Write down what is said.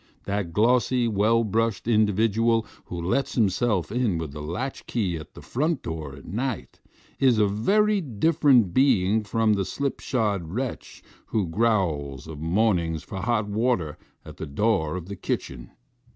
That glossy, well brushed individual, who lets himself in with a latch key at the front door at night, is a very different being from the slipshod wretch who growls of mornings for hot water at the door of the kitchen.